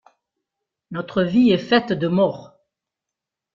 Notre vie est faite de mort.